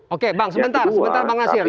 oke bang sebentar